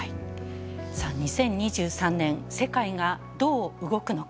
さあ２０２３年世界がどう動くのか。